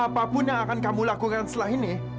apa pun yang akan kamu lakukan setelah ini